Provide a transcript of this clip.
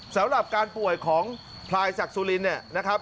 สำหรับการป่วยของพลายศักดิ์สุรินเนี่ยนะครับ